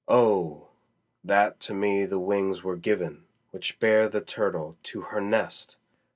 Oh! that to me the wings were given Which bear the turtle to her nest!